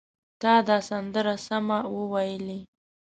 تا دا سندره سمه وویلې!